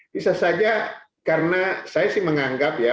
bisa saja karena saya sih menganggap ya